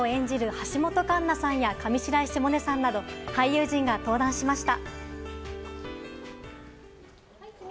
橋本環奈さんや上白石萌音さんなど俳優陣が登壇しました。